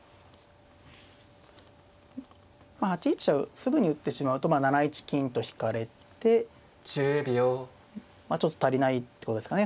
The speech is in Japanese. まあ８一飛車をすぐに打ってしまうと７一金と引かれてちょっと足りないってことですかね。